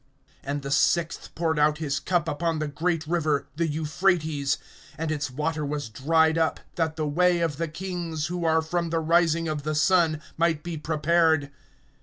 (12)And the sixth poured out his cup upon the great river, the Euphrates; and its water was dried up, that the way of the kings, who are from the rising of the sun, might be prepared.